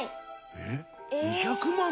えっ？２００万？